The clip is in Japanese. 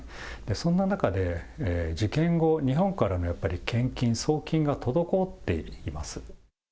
そんな中で、事件後、日本からのやっぱり献金、送金が滞っています。